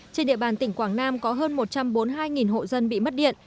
trên địa bàn tỉnh quảng nam có hơn một trăm bốn mươi hai hộ dân bị mất điện